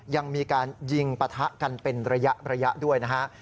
ยังมีการยิงปะทะกันเป็นระยะด้วยนะฮะ